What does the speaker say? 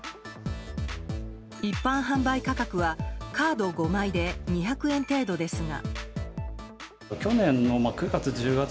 一般販売価格はカード５枚で２００円程度ですが。